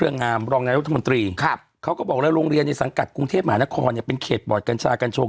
แต่ถ้าสมมติกอทัลมัวเขาบอกเฮ้ยในโรงเรียนเนี้ยห้ามมีกัญชงกัญชา